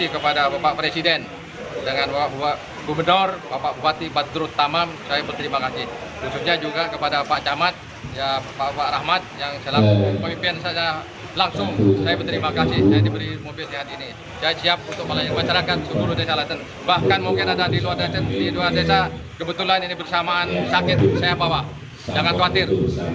kebetulan ini bersamaan sakit saya bawa jangan khawatir